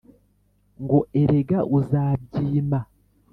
ngo erega uzabyima,